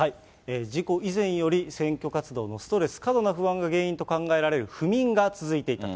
事故以前より、選挙活動のストレス、過度の不安が原因と考えられる不眠が続いていたと。